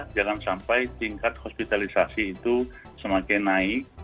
jangan sampai tingkat hospitalisasi itu semakin naik